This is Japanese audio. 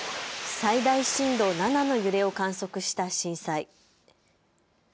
最大震度７の揺れを観測した震災。